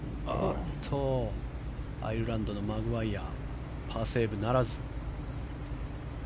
アイルランドのマグワイヤパーセーブならず。